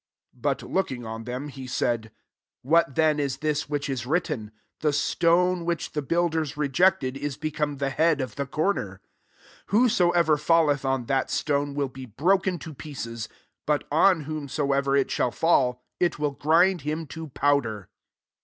17 But looking on them, he said, What then is this which is written, « The stone which the builders rejected, is become the head of the comer V 18 Whosoever falleth on that stone will be broken to pieces : but on whomsoever it shall fall, it will grind him to powder."